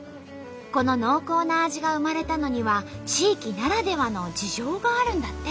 この濃厚な味が生まれたのには地域ならではの事情があるんだって。